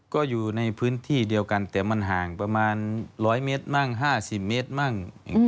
ก็อยู่ในพื้นที่เดียวกันแต่มันห่างประมาณ๑๐๐เมตรมั่ง๕๐เมตรมั่ง